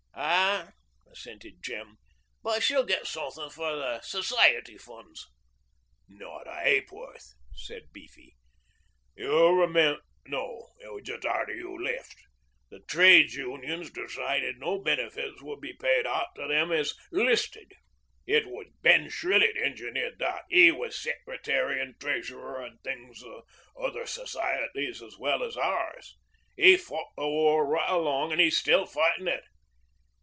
'Aw,' assented Jem. 'But she'll get suthin' from the Society funds.' 'Not a ha'porth,' said Beefy. 'You'll remem no, it was just arter you left. The trades unions decided no benefits would be paid out for them as 'listed. It was Ben Shrillett engineered that. 'E was Secretary an' Treasurer an' things o' other societies as well as ours. 'E fought the War right along, an' 'e's still fightin' it.